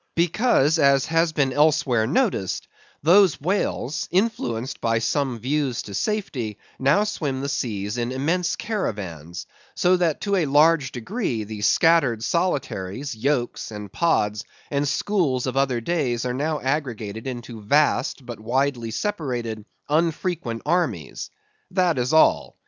Because, as has been elsewhere noticed, those whales, influenced by some views to safety, now swim the seas in immense caravans, so that to a large degree the scattered solitaries, yokes, and pods, and schools of other days are now aggregated into vast but widely separated, unfrequent armies. That is all.